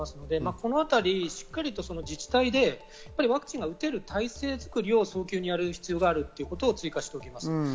このあたり、しっかり自治体でワクチンが打てる体制づくりを早急にやる必要があるということを追加しておきます。